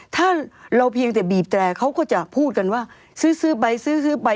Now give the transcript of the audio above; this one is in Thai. ถ้าเราเพียงแต่บีบแตรเขาก็จะพูดกันว่าซื้อไปซื้อซื้อไป